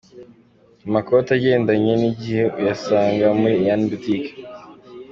Amakoti agendanye n'igihe uyasanga muri Ian Boutique.